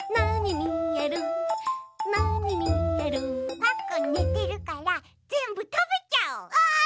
パックンねてるからぜんぶたべちゃおう！